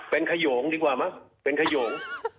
เป็นขยงดีกว่ามั้งเป็นขยง